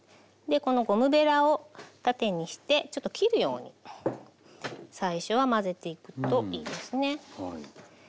このゴムべらを縦にしてちょっと切るように最初は混ぜていくといいですね。